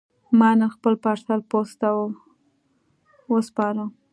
ما نن خپل پارسل پوسټ ته وسپاره.